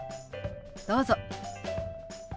どうぞ。